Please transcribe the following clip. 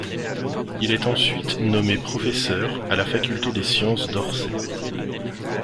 Il est ensuite nommé professeur à la faculté des sciences d'Orsay.